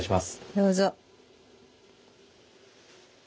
どうぞ。